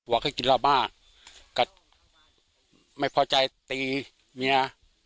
ว่าก็กินราบบ้ากับไม่พอใจตีเมีย